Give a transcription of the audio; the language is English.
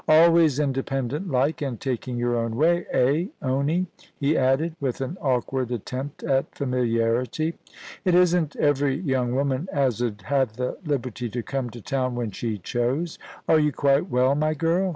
'Always independent like, and taking your own way — eh, Honie ?* he added, with an awkward attempt at familiarity. ' It isn't every young woman as 'ud have the liberty to come to town when she chose. Are you quite well, my girl